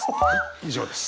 以上です。